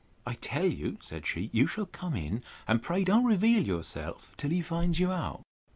I tell you, said she, you shall come in; and pray don't reveal yourself till he finds you out.